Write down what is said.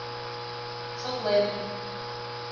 шотлем.